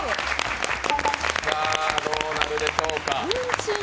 さぁ、どうなるでしょうか。